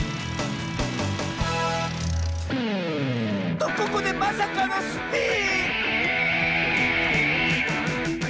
とここでまさかのスピン！